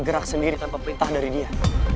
gerak sendiri tanpa perintah dari dia